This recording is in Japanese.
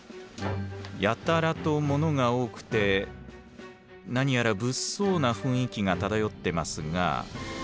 やたらとものが多くて何やら物騒な雰囲気が漂ってますが。